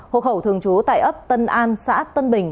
hộ khẩu thường trú tại ấp tân an xã tân bình